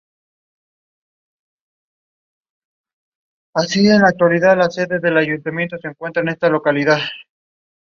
Tan sólo tres carabineros cuidaban la seguridad del espectáculo y del recinto modesto.